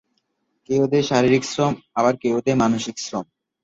কেউ দেয় শারীরিক শ্রম আবার কেউ দেয় মানসিক শ্রম।